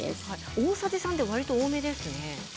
大さじ３はわりと多めですね。